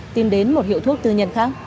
tìm đến một hiệu thuốc tư nhân khác